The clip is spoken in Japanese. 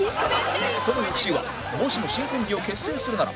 その翌週はもしも新コンビを結成するなら？